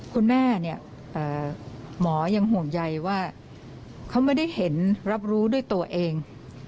คุณแม่เนี่ยหมอยังห่วงใยว่าเขาไม่ได้เห็นรับรู้ด้วยตัวเอง